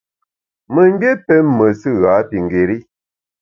Memgbié pém mesù ghapingéri.